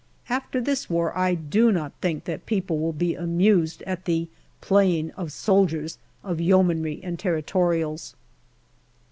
After this war I do not think that people will be amused at the " playing at soldiers " of Yeomanry and Territorials.